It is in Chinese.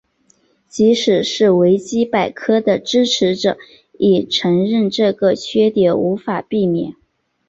即使是维基百科的支持者亦承认这个缺点无法避免。